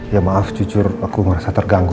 ya maaf jujur aku merasa terganggu